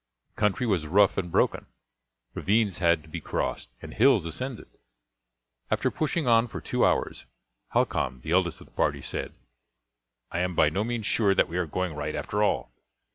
The country was rough and broken; ravines had to be crossed, and hills ascended. After pushing on for two hours, Halcon, the eldest of the party, said: "I am by no means sure that we are going right after all.